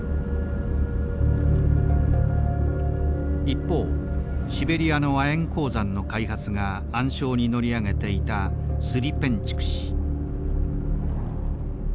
一方シベリアの亜鉛鉱山の開発が暗礁に乗り上げていたスリペンチュク氏。